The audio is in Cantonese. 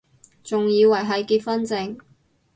仲以為係結婚証